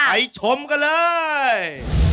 ให้ชมกันเลย